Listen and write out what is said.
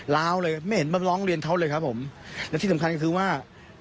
้าวเลยไม่เห็นมาร้องเรียนเขาเลยครับผมและที่สำคัญคือว่า